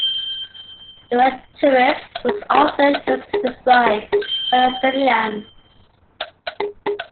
The word "terrorist" was often used to describe Palestinians.